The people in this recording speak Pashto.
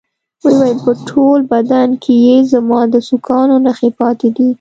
ويې ويل په ټول بدن کښې يې زما د سوکانو نخښې پاتې دي.